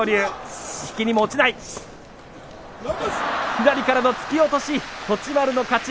左からの突き落とし栃丸の勝ち。